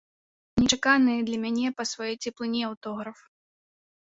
Нечаканы для мяне па сваёй цеплыні аўтограф.